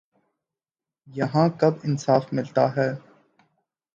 یہاں کب انصاف ملتا ہے